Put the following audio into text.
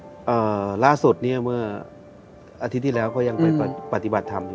ป่ะไงระดับสุดเมื่ออาทิตย์ที่แล้วเขายังไปปฏิบัติธรรม